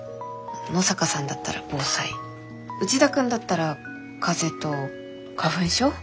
野坂さんだったら防災内田君だったら風と花粉症？